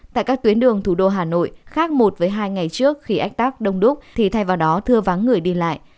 tại các tuyến đường thủ đô hà nội khác một với hai ngày trước khi ách tắc đông đúc thì thay vào đó thưa vắng người đi lại